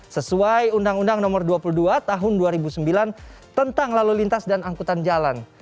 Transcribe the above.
sesuai undang undang nomor dua puluh dua tahun dua ribu sembilan tentang lalu lintas dan angkutan jalan